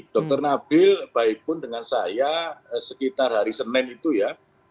dr nabil baik pun dengan saya sekitar hari senin itu ya